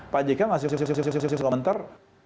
pak jk ngasih komentar